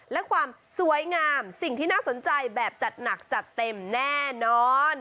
และความสวยงามสิ่งที่น่าสนใจแบบจัดหนักจัดเต็มแน่นอน